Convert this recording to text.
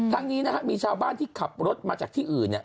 ทั้งนี้นะฮะมีชาวบ้านที่ขับรถมาจากที่อื่น